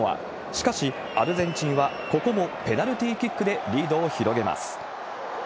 しかし、アルゼンチンはここもペナルティキックでリードを広げます。